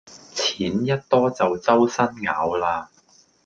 錢一多就週身咬喇